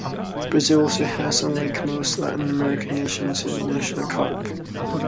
Brazil also has, unlike most Latin American nations, a national cup.